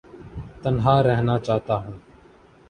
تنہا رہنا چاہتا ہوں